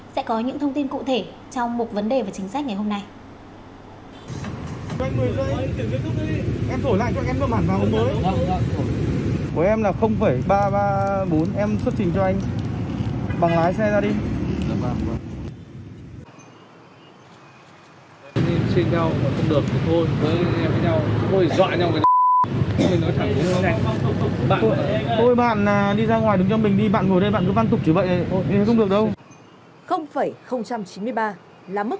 sẽ có những thông tin cụ thể trong một vấn đề về chính sách ngày hôm nay